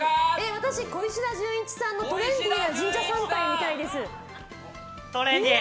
私、小石田純一さんのトレンディーな神社参拝トレンディー。